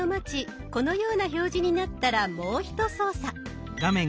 このような表示になったらもうひと操作。